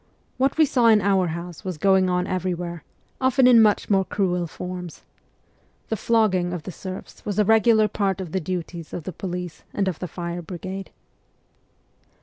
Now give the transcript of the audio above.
What we saw in our house was going on everywhere, often in much more cruel forms. The flogging of the serfs was a regular part of the duties of the police and of the fire brigade.